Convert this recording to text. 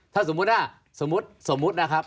ถ้าสมมุตินะครับ